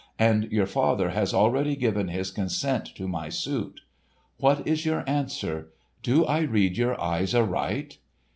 And your father has already given his consent to my suit. What is your answer? Do I read your eyes aright?"